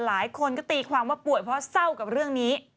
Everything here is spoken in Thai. หลายคนก็ตีความว่าป่วยเพราะเศร้ากับเรื่องนี้